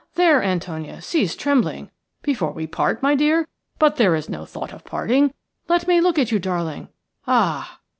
There, Antonia, cease trembling. Before we part, my dear? But there is no thought of parting. Let me look at you, darling. Ah!"